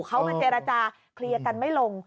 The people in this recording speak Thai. เขามาเจรจาเคลียร์กันไม่ลง